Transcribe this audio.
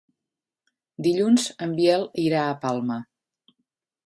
Dilluns en Biel irà a Palma.